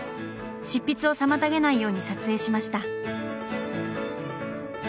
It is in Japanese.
執筆を妨げないように撮影しました。